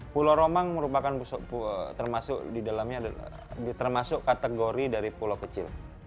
pulau romang merupakan termasuk kategori dari pulau kecil